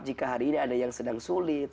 jika hari ini ada yang sedang sulit